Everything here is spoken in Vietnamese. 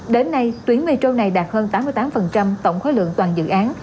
đến nay tuyến metro này đạt hơn tám mươi tám tổng khối lượng toàn dự án